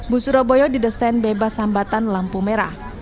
bus surabaya didesain bebas hambatan lampu merah